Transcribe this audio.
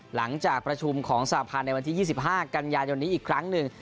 หลังจากประชุมของสหพันธ์ในวันที่๒๕กันยายนนี้อีกครั้งหนึ่ง